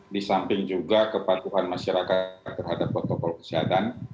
di samping juga kepatuhan masyarakat terhadap protokol kesehatan